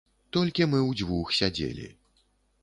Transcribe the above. Толькі мы ўдзвюх сядзелі.